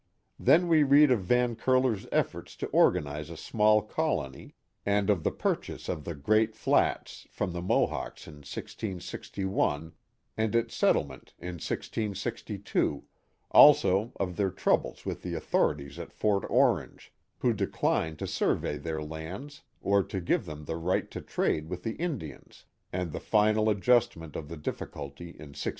Then we read of Van Curler's efforts to organize a small colony, and of the purchase of the " great flats *' from the Mo hawks in 1661, and its settlement in 1662, also of their troubles with the authorities at Fort Orange, who declined to survey their lands or to give them the right to trade with the Indi ans, and the final adjustment of the difficulty in 1664.